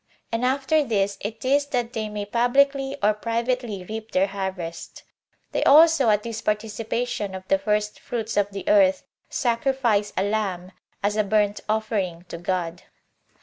And after this it is that they may publicly or privately reap their harvest. They also at this participation of the first fruits of the earth, sacrifice a lamb, as a burnt offering to God.